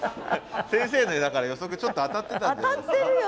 先生のだから予測ちょっと当たってたんじゃないですか。